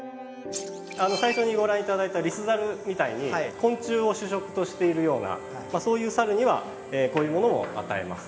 最初にご覧頂いたリスザルみたいに昆虫を主食としているようなそういうサルにはこういうものを与えます。